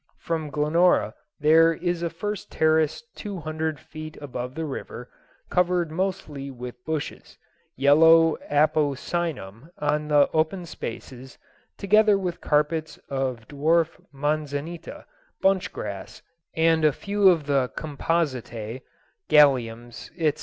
From Glenora there is first a terrace two hundred feet above the river covered mostly with bushes, yellow apocynum on the open spaces, together with carpets of dwarf manzanita, bunch grass, and a few of the compositæ, galiums, etc.